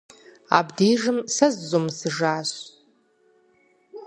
Абдежым сэ зызумысыжащ.